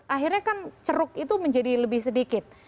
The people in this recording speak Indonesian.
akhirnya kan ceruk itu menjadi lebih sedikit